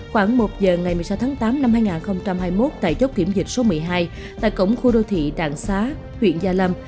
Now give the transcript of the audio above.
khoảng một giờ ngày một mươi sáu tháng tám năm hai nghìn hai mươi một tại chốt kiểm dịch số một mươi hai tại cổng khu đô thị đạng xá huyện gia lâm